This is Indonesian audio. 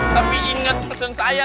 tapi inget pesen saya